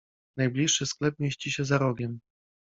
Najbliższy sklep mieści się za rogiem.